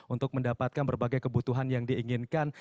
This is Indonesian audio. untuk mendapatkan berbagai kebutuhan yang diinginkan